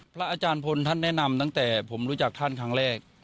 พระอาจารย์พลท่านแนะนำตั้งแต่ผมรู้จักท่านครั้งแรก